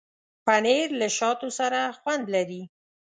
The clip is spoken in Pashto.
پنېر له شاتو سره خوند لري.